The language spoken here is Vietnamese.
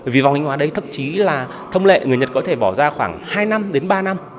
vì vòng thanh hóa đấy thậm chí là thông lệ người nhật có thể bỏ ra khoảng hai năm đến ba năm